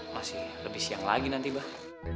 masih lebih siang lagi nanti bah